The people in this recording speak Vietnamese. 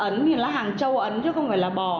nếu mà ấn thì hàng châu ấn chứ không phải là bò